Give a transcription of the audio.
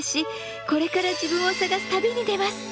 これから自分を探す旅に出ます。